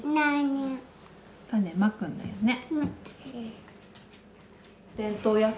種まくんだよね。